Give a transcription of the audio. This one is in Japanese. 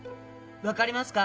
分かりますか？